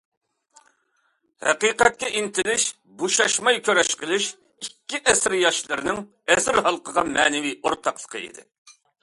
ھەقىقەتكە ئىنتىلىش، بوشاشماي كۈرەش قىلىش ئىككى ئەسىر ياشلىرىنىڭ ئەسىر ھالقىغان مەنىۋى ئورتاقلىقى ئىدى.